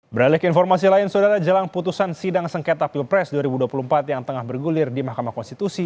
beralik informasi lain saudara jelang putusan sidang sengketa pilpres dua ribu dua puluh empat yang tengah bergulir di mahkamah konstitusi